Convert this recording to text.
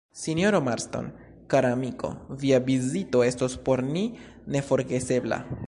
Sinjoro Marston, kara amiko, via vizito estos por ni neforgesebla.